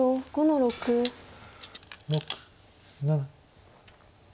６７。